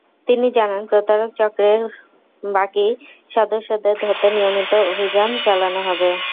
তিনি জানান, প্রতারক চক্রের বাকি সদস্যদের ধরতে নিয়মিত অভিযান চালানো হবে।